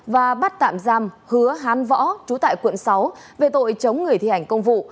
và bắt tạm giam hứa hán võ trú tại quận sáu về tội chống người thi hành công vụ